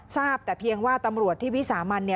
ทราบแต่เพียงว่าตำรวจที่วิสามัน